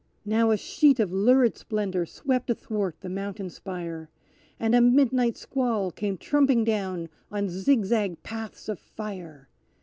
Now a sheet of lurid splendour swept athwart the mountain spire, And a midnight squall came trumping down on zigzag paths of fire!